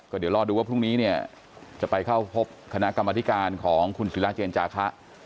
เดี๋ยวรอดูว่าพรุ่งนี้เนี่ยจะไปเข้าพบคณะกรรมธิการของคุณศิราเจนจาคะ